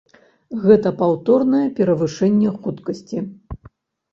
Гэта паўторнае перавышэнне хуткасці.